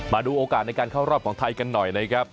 มาดูโอกาสในการเข้ารอบของไทยกันหน่อยนะครับ